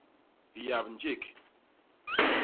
Hyap njék.